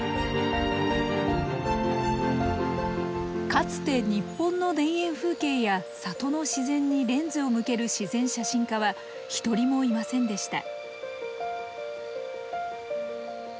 かつて日本の田園風景や里の自然にレンズを向ける自然写真家は一人もいませんでした。